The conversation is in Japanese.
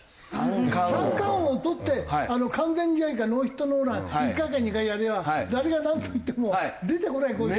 三冠王とって完全試合かノーヒットノーラン１回か２回やりゃ誰がなんと言っても出てこないこれ以上は。